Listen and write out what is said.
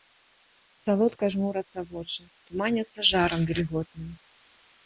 Салодка жмурацца вочы, туманяцца жарам вільготным.